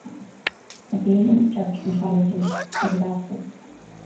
A Bayesian search methodology was adopted.